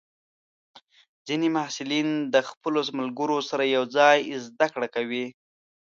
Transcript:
ځینې محصلین د خپلو ملګرو سره یوځای زده کړه کوي.